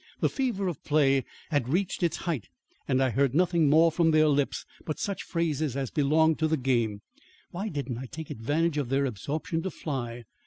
The fever of play had reached its height, and I heard nothing more from their lips, but such phrases as belong to the game. Why didn't I take advantage of their absorption to fly?